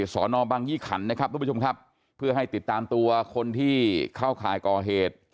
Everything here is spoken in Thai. สอนอบังยี่ขันนะครับทุกผู้ชมครับเพื่อให้ติดตามตัวคนที่เข้าข่ายก่อเหตุ